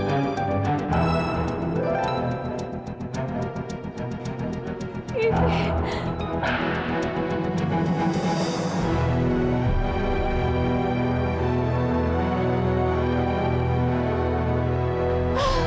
enggak kau masih livia